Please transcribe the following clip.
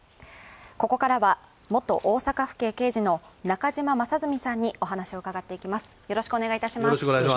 ここからは、元大阪府警刑事の中島正純さんにお話を伺っていきます。